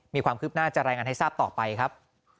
มีความคืบหน้าจะรายงานให้ทราบต่อไปครับ